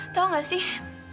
tau gak sih